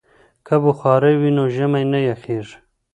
که بخارۍ وي نو ژمی نه یخیږي.